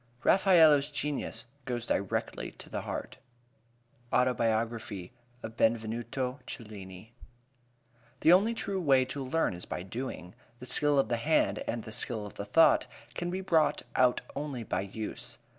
"Raffaello's genius goes directly to the heart." Autobiography of Benvenuto Cellini. The only true way to learn is by doing. The skill of the hand and the skill of the thought can be brought out only by use.